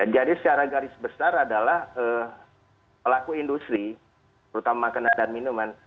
jadi secara garis besar adalah pelaku industri terutama makanan dan minuman